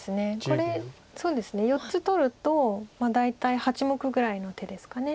これ４つ取ると大体８目ぐらいの手ですか。